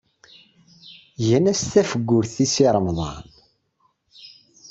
Gan-as tafgurt i Si Remḍan.